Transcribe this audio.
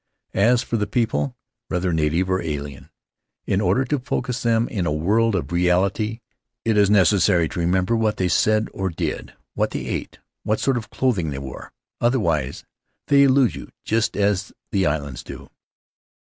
As for the people, whether native or alien, in order to focus them in a world of reality it is necessary to remember what they said or did; what they ate; what sort of clothing they wore. Otherwise they elude you just as the islands do.